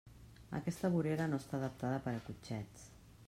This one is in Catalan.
Aquesta vorera no està adaptada per a cotxets.